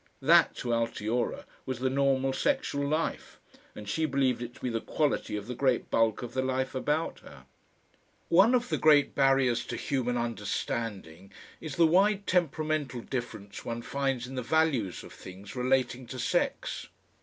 That to Altiora was the normal sexual life, and she believed it to be the quality of the great bulk of the life about her. One of the great barriers to human understanding is the wide temperamental difference one finds in the values of things relating to sex.